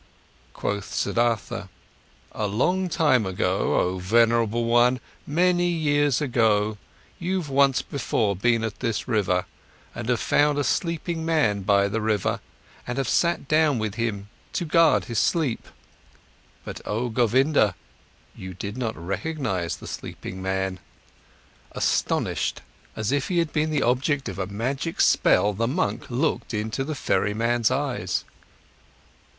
Quoth Siddhartha: "A long time ago, oh venerable one, many years ago, you've once before been at this river and have found a sleeping man by the river, and have sat down with him to guard his sleep. But, oh Govinda, you did not recognise the sleeping man." Astonished, as if he had been the object of a magic spell, the monk looked into the ferryman's eyes.